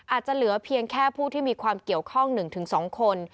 อาจจะเหลือเพียงแค่ผู้ที่มีความเกี่ยวข้อง๑๒คน